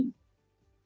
terutama bantuan sosial